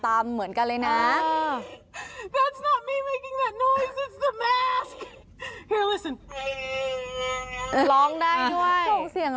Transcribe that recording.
อันนี้เคยทำก็เหมือนกันเลยนะ